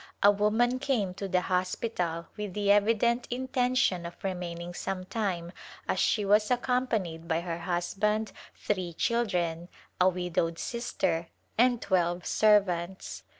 A woman came to the hospital with the evident intention of remaining some time as she was accompanied by her husband, three children, a widowed sister and twelve servants.